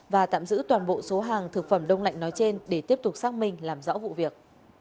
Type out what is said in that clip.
và tạm giữ toàn bộ số hàng thực phẩm đông lạnh nói trên để tiếp tục xác minh làm rõ vụ việc